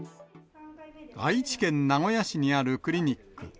愛知県名古屋市にあるクリニック。